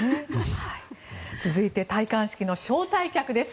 続いて戴冠式の招待客です。